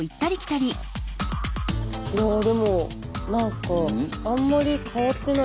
ああでも何かあんまり変わってない。